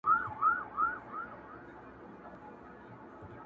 o خداى خبر دئ، چي تره کافر دئ!